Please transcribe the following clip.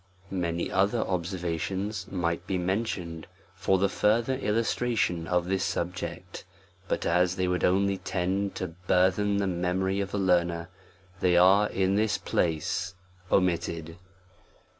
41 MANY other observations might be mentioned for the further illustration of this subject, but as they would only tend to burthen the memory of the learner* they are in this place omitted.